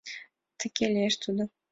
Тыге лиеш тудо.